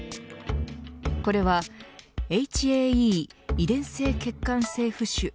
これはＨＡＥ遺伝性血管性浮腫。